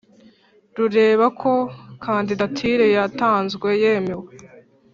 Lureba ko kandidatire yatanzwe yemewe